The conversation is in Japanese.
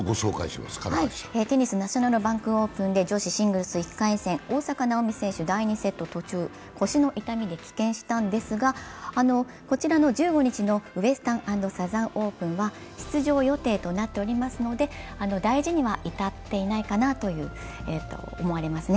テニス、ナショナル・バンク・オープンで、女子シングルス１回戦、大坂なおみ選手、第２セット途中、腰の痛みで棄権したんですが、こちらの１５日のウエスタン・アンド・サザンオープン出場予定となっておりますので、大事には至っていないかなと思われます。